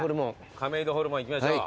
亀戸ホルモン行きましょう。